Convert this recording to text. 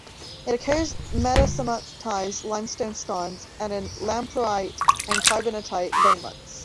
It occurs metasomatized limestone skarns and in lamproite and carbonatite veinlets.